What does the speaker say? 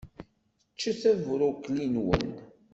Ččet abrukli-nwen!